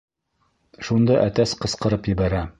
Шунда әтәс ҡысҡырып ебәрә: